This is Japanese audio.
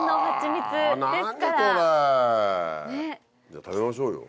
じゃあ食べましょうよ。